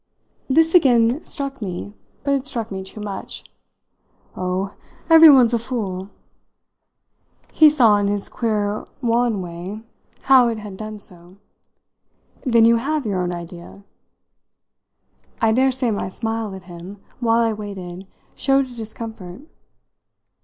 This again struck me, but it struck me too much. "Oh, everyone's a fool!" He saw, in his queer wan way, how it had done so. "Then you have your own idea?" I daresay my smile at him, while I waited, showed a discomfort.